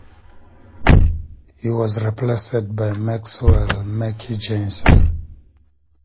He was replaced by Maxwell "Mackie" Jayson.